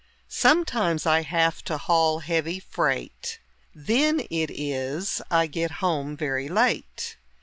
Sometimes I have to haul heavy freight, Then it is I get home very late.